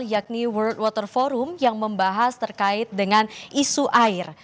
yakni world water forum yang membahas terkait dengan isu air